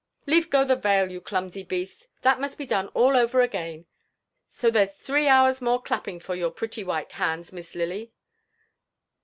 Leave go the veil, you clumsy beast, — that must be done all over again ; so there's three hours more clapping for your pretty white hands. Miss Lily."